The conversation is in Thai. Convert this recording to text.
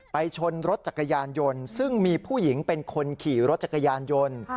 ชนรถจักรยานยนต์ซึ่งมีผู้หญิงเป็นคนขี่รถจักรยานยนต์